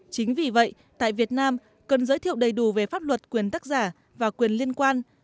chính vì vậy tại việt nam cần giới thiệu đầy đủ về pháp luật quyền tác giả và quyền liên quan